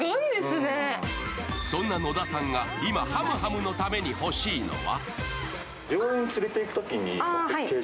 そんな野田さんが今、はむはむのために欲しいのは？